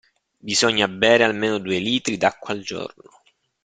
Bisogna bere almeno due litri d'acqua al giorno.